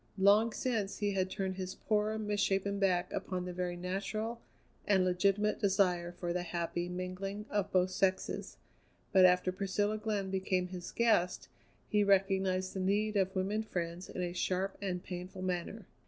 Long since he had turned his poor, misshapen back upon the very natural and legitimate desire for the happy mingling of both sexes, but after Priscilla Glenn became his guest he recognized the need of women friends in a sharp and painful manner.